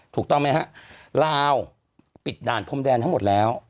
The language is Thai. ถูกต้องไหมฮะลาวปิดด่านพรมแดนทั้งหมดแล้ว